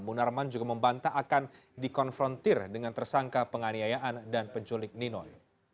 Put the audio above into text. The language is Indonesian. munarman juga membantah akan dikonfrontir dengan tersangka penganiayaan dan penculik ninoi